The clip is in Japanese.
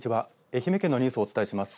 愛媛県のニュースをお伝えします。